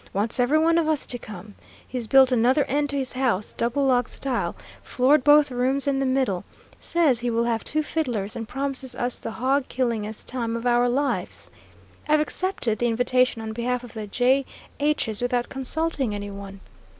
Wants every one of us to come. He's built another end to his house, double log style, floored both rooms and the middle. Says he will have two fiddlers, and promises us the hog killingest time of our lives. I've accepted the invitation on behalf of the 'J+H's' without consulting any one."